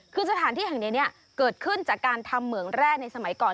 คือสถานที่แห่งนี้เกิดขึ้นจากการทำเหมืองแร่ในสมัยก่อน